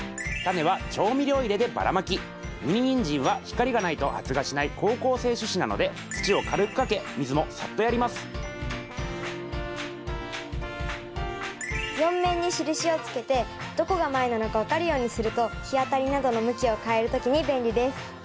ミニニンジンは光がないと発芽しない好光性種子なので４面に印をつけてどこが前なのか分かるようにすると日当たりなどの向きを変える時に便利です。